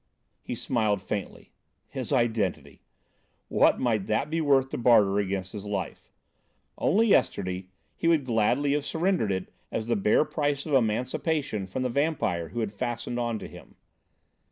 He smiled faintly. His identity! What might that be worth to barter against his life? Only yesterday he would gladly have surrendered it as the bare price of emancipation from the vampire who had fastened on to him.